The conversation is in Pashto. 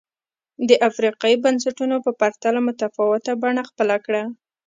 د افریقايي بنسټونو په پرتله متفاوته بڼه خپله کړه.